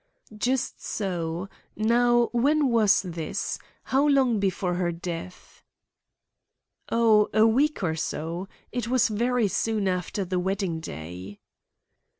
"Just so. Now, when was this? How long before her death?" "Oh, a week or so. It was very soon after the wedding day."